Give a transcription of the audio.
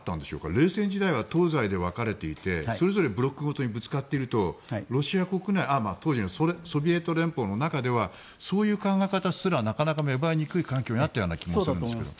冷戦時代は東西で分かれていてそれぞれブロックごとにぶつかっているとロシア国内当時のソビエト連邦の中ではそういう考え方すらなかなか芽生えにくい環境にあったと思うんですが。